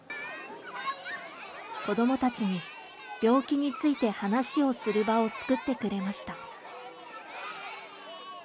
子どもたちに病気について話をする場を作ってくれました。